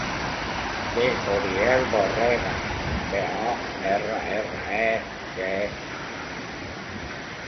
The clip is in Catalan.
Em dic Uriel Borrega: be, o, erra, erra, e, ge, a.